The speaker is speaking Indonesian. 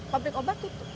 pabrik obat tutup